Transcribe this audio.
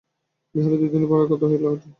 বিহারী দুইদিনে পাড়ার কর্তা হইয়া উঠিল।